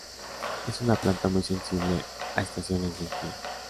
Es una planta muy sensible a estaciones de sequía.